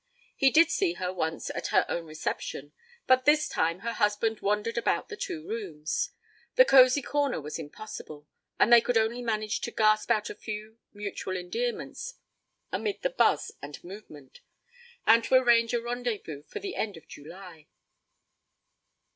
He did see her once at her own reception, but this time her husband wandered about the two rooms. The cosy corner was impossible, and they could only manage to gasp out a few mutual endearments amid the buzz and movement, and to arrange a rendezvous for the end of July.